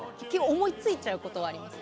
思いついちゃうことはあります。